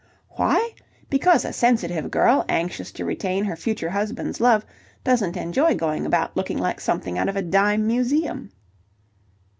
"Why? Because a sensitive girl, anxious to retain her future husband's love, doesn't enjoy going about looking like something out of a dime museum."